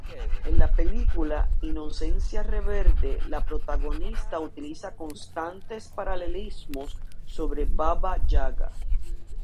En la película "Inocencia Rebelde", la protagonista utiliza constantes paralelismos sobre Baba Yaga.